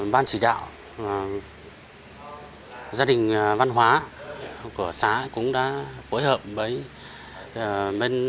ban chỉ đạo gia đình văn hóa của xã cũng đã phối hợp với bên